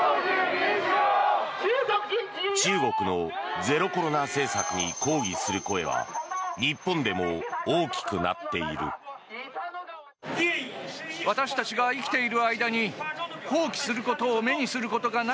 中国のゼロコロナ政策に抗議する声は日本でも大きくなっている。